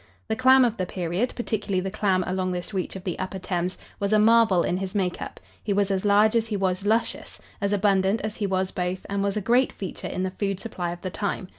The clam of the period, particularly the clam along this reach of the upper Thames, was a marvel in his make up. He was as large as he was luscious, as abundant as he was both and was a great feature in the food supply of the time.